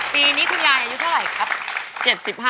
ปีนี้คุณยายอายุเท่าไหร่ครับ